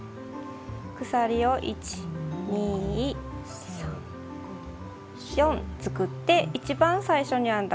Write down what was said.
鎖を１２３４作って一番最初に編んだ